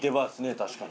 確かに。